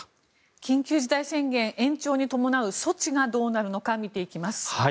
緊急事態宣言延長に伴う措置がどうなるのか、見ていきます。